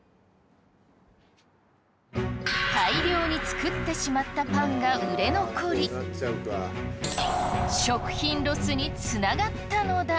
大量に作ってしまったパンが売れ残り食品ロスにつながったのだ。